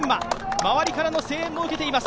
周りからの声援も受けています。